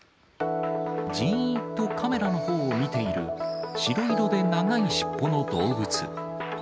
じーっとカメラのほうを見ている、白色で長い尻尾の動物。